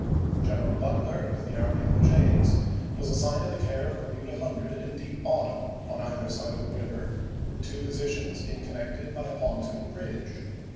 General Butler, with the Army of the James, was assigned to the care of Bermuda Hundred and Deep Bottom on either side of the river, the two positions being connected by a pontoon bridge.